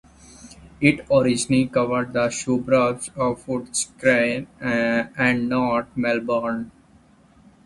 It originally covered the suburbs of Footscray and North Melbourne.